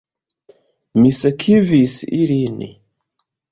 Mi sekvis ilin.